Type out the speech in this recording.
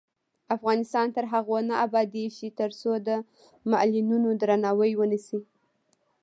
افغانستان تر هغو نه ابادیږي، ترڅو د معلولینو درناوی ونشي.